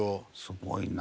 すごいな。